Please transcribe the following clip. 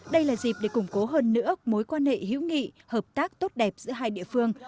đây là dịp để củng cố hơn nữa mối quan hệ hữu nghị hợp tác tốt đẹp giữa hai địa phương